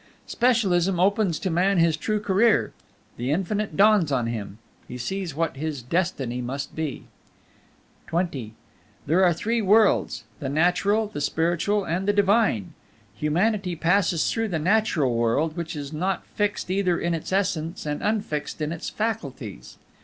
Specialism opens to man his true career; the Infinite dawns on him; he sees what his destiny must be. XX There are three worlds the Natural, the Spiritual, and the Divine. Humanity passes through the Natural world, which is not fixed either in its essence and unfixed in its faculties.